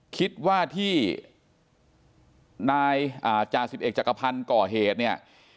คิดว่าที่นายจ่าสิบเอกจักรพันธ์ก่อเหตุเนี่ย